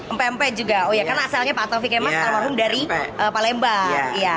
empe empe juga oh iya karena asalnya pak taufik emas al wahum dari palembang